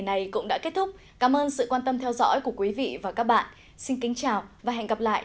này cũng đã kết thúc cảm ơn sự quan tâm theo dõi của quý vị và các bạn xin kính chào và hẹn gặp lại